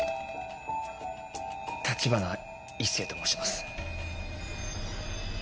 橘一星と申します。